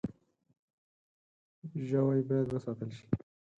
ژوی باید وساتل شي.